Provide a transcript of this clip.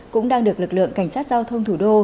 cũng đang được lực lượng cảnh sát giao thông thủ đô